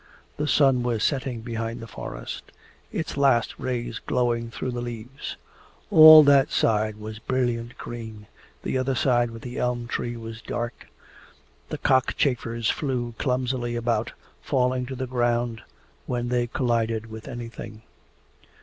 The sun was setting behind the forest, its last rays glowing through the leaves. All that side was brilliant green, the other side with the elm tree was dark. The cockchafers flew clumsily about, falling to the ground when they collided with anything.